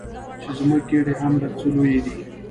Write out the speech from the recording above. چې زموږ ګېډې هم لږ څه لویې دي.